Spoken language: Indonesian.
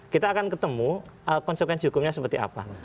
kita akan ketemu konsekuensi hukumnya seperti apa